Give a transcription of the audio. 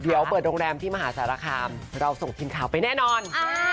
เดี๋ยวเปิดโรงแรมที่มหาสารคามเราส่งทีมข่าวไปแน่นอน